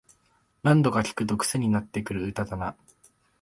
何度か聴くとクセになってくる歌だな